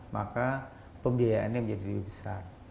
maka pembiayaannya menjadi lebih besar